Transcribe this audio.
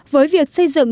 với việc xây dựng